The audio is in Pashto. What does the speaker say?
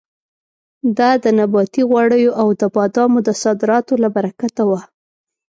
دا د نباتي غوړیو او د بادامو د صادراتو له برکته وه.